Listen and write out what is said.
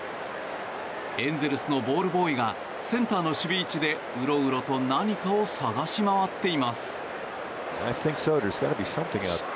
エンゼルスのボールボーイがセンターの守備位置でウロウロと何かを探し回っています。